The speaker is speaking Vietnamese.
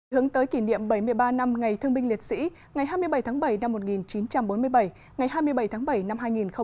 hướng tới kỷ niệm bảy mươi ba năm ngày thương binh liệt sĩ ngày hai mươi bảy tháng bảy năm một nghìn chín trăm bốn mươi bảy ngày hai mươi bảy tháng bảy năm hai nghìn một mươi chín